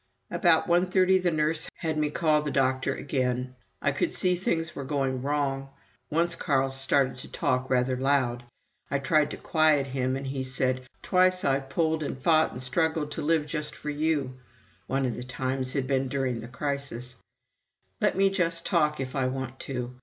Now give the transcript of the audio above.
About one thirty the nurse had me call the doctor again. I could see things were going wrong. Once Carl started to talk rather loud. I tried to quiet him and he said: "Twice I've pulled and fought and struggled to live just for you [one of the times had been during the crisis]. Let me just talk if I want to.